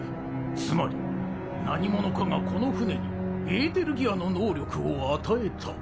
つまり何者かがこの船にエーテルギアの能力を与えた。